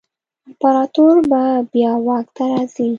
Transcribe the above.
امپراتور به بیا واک ته راځي.